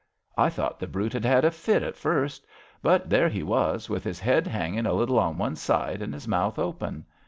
I thought the brute had had a fit at first, but there he was, with his head hanging a little on one side and his mouth open.